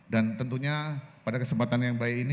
dan tentunya pada kesempatan yang baik ini